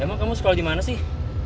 emang kamu sekolah gimana sih